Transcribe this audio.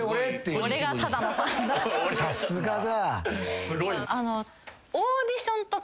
さすがだ。